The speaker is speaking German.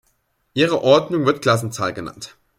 Ihre Ordnung wird "Klassenzahl" genannt.